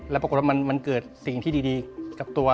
แล้วปรากฏว่ามันเกิดสิ่งที่ดีกับตัว